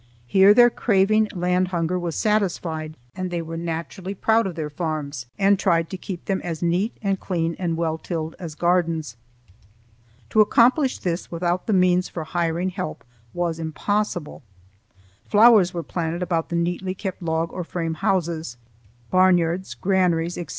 Here their craving land hunger was satisfied, and they were naturally proud of their farms and tried to keep them as neat and clean and well tilled as gardens. To accomplish this without the means for hiring help was impossible. Flowers were planted about the neatly kept log or frame houses; barnyards, granaries, etc.